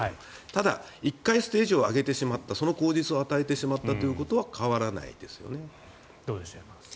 ただ、１回ステージを上げてしまったその口実をあげてしまったということはどうでしょう山口さん。